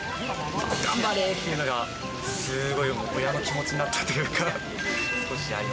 頑張れっていうのが、すごい親の気持ちになったというか。